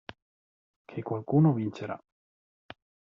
Che qualcuno vincerà.